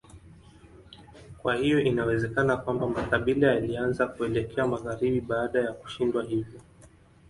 Kwa hiyo inawezekana kwamba makabila yalianza kuelekea magharibi baada ya kushindwa hivyo.